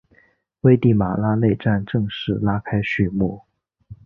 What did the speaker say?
危地马拉内战正式拉开序幕。